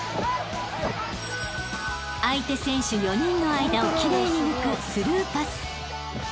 ［相手選手４人の間を奇麗に抜くスルーパス］